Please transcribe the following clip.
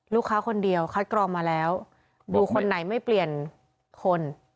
ลูกค้าคนเดียวคัดกรองมาแล้วดูคนไหนไม่เปลี่ยนคน